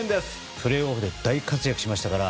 プレーオフで大活躍しましたから。